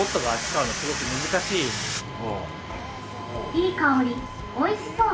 「いい香りおいしそう」